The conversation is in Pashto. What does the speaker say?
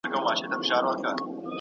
که انساني کرامت وساتل سي نو ژوند خوږیږي.